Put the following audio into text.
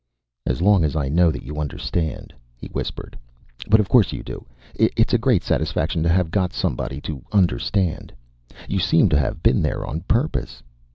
"As long as I know that you understand," he whispered. "But of course you do. It's a great satisfaction to have got somebody to understand. You seem to have been there on purpose."